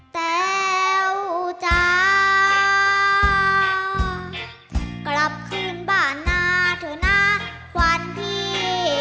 แต้วจ้ากลับคืนบ้านหน้าเถอะนะขวัญพี่